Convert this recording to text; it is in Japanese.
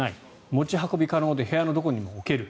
持ち運びで部屋のどこにでも置ける。